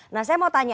nah saya mau tanya